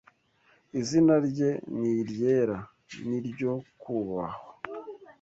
Izina rye ni iryera, n’iryo kubahwa